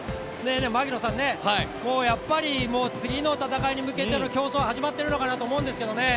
槙野さん、やっぱり次の戦いに向けての競争は始まっているのかなと思うんですけどね。